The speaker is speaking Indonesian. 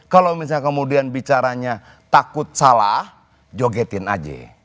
kalau misalnya kemudian bicaranya takut salah jogetin aja